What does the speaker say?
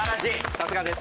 さすがです。